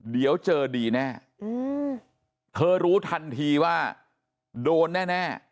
เดี๋ยวเจอดีแน่เธอรู้ทันทีว่าโดนแน่